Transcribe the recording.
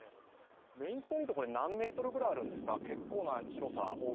メインストリート何メートルぐらいあるんですか？